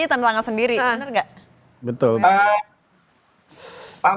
itu saatnya sudah diperhentikan